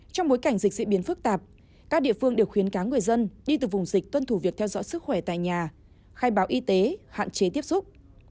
trong bối cảnh dịch diễn biến phức tạp các địa phương đều khuyến cáo người dân đi từ vùng dịch tuân thủ việc theo dõi sức khỏe tại nhà khai báo y tế hạn chế tiếp xúc